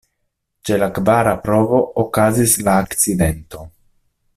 Ĉe la kvara provo okazis la akcidento.